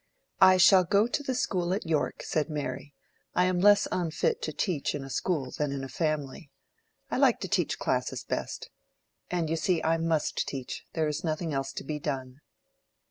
"I shall go to the school at York," said Mary. "I am less unfit to teach in a school than in a family. I like to teach classes best. And, you see, I must teach: there is nothing else to be done."